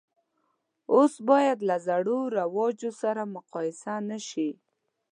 اوس باید له زړو رواجو سره مقایسه نه شي.